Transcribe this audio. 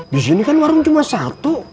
disini kan warung cuma satu